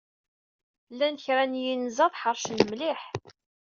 Llan kra n yinzaḍ ḥeṛcen mliḥ.